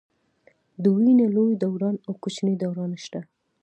د وینې لوی دوران او کوچني دوران شته.